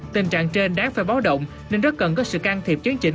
tình trạng trên đáng phải báo động nên rất cần có sự can thiệp chấn chỉnh